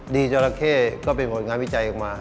จราเข้ก็เป็นผลงานวิจัยออกมา